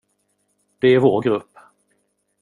Det är vår grupp.